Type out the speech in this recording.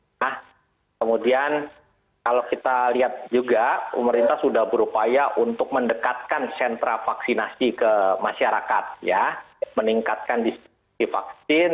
nah kemudian kalau kita lihat juga pemerintah sudah berupaya untuk mendekatkan sentra vaksinasi ke masyarakat ya meningkatkan distribusi vaksin